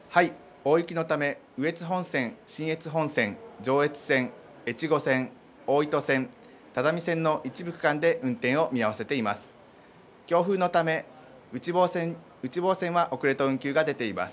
大雪のため、羽越本線、信越本線、上越線、越後線、大糸線、只見線の一部区間で運転を見合わせています。